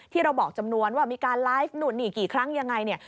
ที่เราบอกจำนวนว่ามีการไลฟ์หนุนหนีกี่ครั้งยังไง